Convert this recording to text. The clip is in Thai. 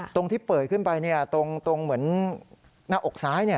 ตรงที่เปิดขึ้นไปเนี่ยตรงตรงเหมือนหน้าอกซ้ายเนี่ย